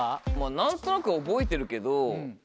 何となくは覚えてるけど。